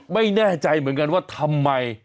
ไม่แน่ใจเหมือนกันว่าทำไม